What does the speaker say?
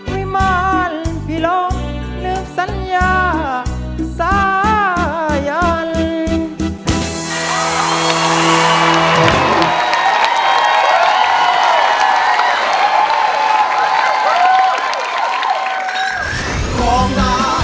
วิวกลับคนดังพยนต์กลับหนา